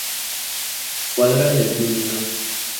Cuadra del Jr.